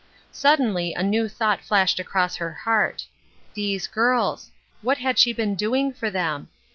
Suddenly a new thought flashed across her heart. These girls — what had she been doing for them